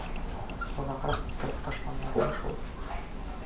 Оҙағыраҡ ултырып ташланылармы шул...